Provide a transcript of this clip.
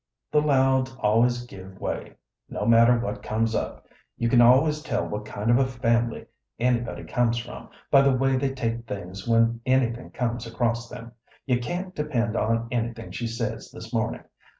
"The Louds always give way, no matter what comes up. You can always tell what kind of a family anybody comes from by the way they take things when anything comes across them. You can't depend on anything she says this morning.